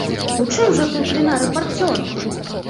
У чым жа тут віна рэпарцёра?